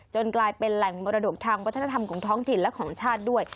กลายเป็นแหล่งมรดกทางวัฒนธรรมของท้องถิ่นและของชาติด้วย